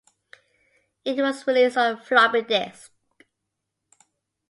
It was released on floppy disks.